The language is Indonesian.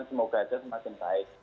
semoga semakin baik